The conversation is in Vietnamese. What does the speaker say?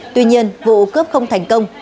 tuy nhiên vụ cướp không thành công